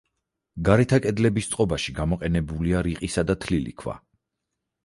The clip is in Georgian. გარეთა კედლების წყობაში გამოყენებულია რიყისა და თლილი ქვა.